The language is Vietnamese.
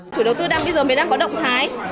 chủ đầu tư đang bây giờ mới đang có động thái